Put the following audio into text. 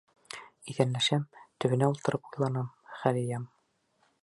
Иҫәнләшәм, төбөнә ултырып уйланам, хәл йыям.